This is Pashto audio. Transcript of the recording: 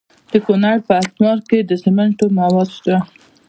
د کونړ په اسمار کې د سمنټو مواد شته.